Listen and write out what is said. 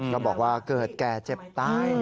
ก็บอกว่าเกิดแก่เจ็บตาย